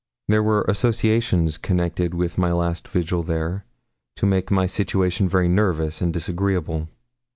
There were associations connected with my last vigil there to make my situation very nervous and disagreeable.